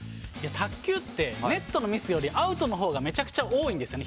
卓球って、ネットのミスよりアウトのほうが多いんですよね。